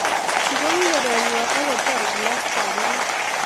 Chu koki keret ngwai akotar kilasitab angwan